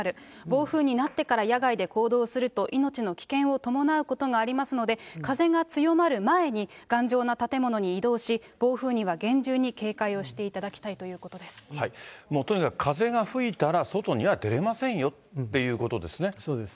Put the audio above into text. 暴風になってから野外で行動すると、命の危険を伴うことがありますので、風が強まる前に頑丈な建物に移動し、暴風には厳重に警戒をしていただきたいということもうとにかく風が吹いたら、外には出れませんよということですね。